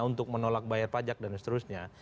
untuk menolak bayar pajak dan seterusnya